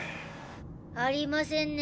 ありませんね